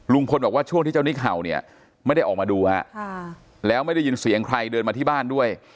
บอกว่าช่วงที่เจ้านิกเห่าเนี่ยไม่ได้ออกมาดูฮะแล้วไม่ได้ยินเสียงใครเดินมาที่บ้านด้วย